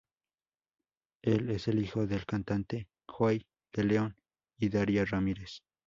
Él es el hijo del cantante Joey de León y Daria Ramírez.